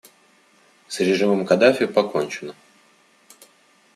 С режимом Каддафи покончено.